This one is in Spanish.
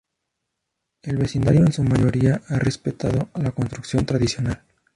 El vecindario, en su mayoría, ha respetado la construcción tradicional.